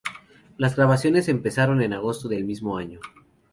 Las grabaciones empezaron en agosto del mismo año.